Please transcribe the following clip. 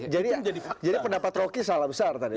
jadi pendapat roke salah besar tadi